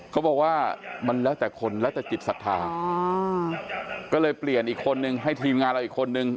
เขาบอกว่ามันแล้วแต่คนแล้วแต่จิตศรัทธาก็เลยเปลี่ยนอีกคนนึงให้ทีมงานเราอีกคนนึง